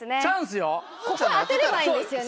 ここ当てればいいんですよね。